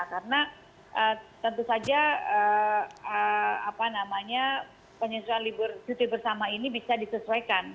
karena tentu saja penyesuaian cuti bersama ini bisa disesuaikan